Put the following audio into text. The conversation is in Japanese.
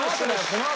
このあと！